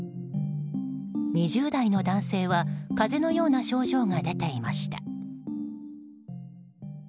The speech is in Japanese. ２０代の男性は風邪のような症状が出ていました。